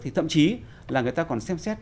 thì thậm chí là người ta còn xem xét